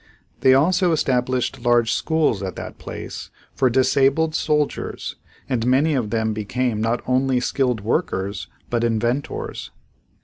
They also established large schools at that place for disabled soldiers and many of them became not only skilled workers, but inventors.